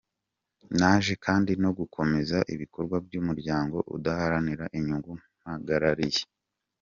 Naje kandi no gukomeza ibikorwa by’umuryango udaharanira inyungu mpagarariye.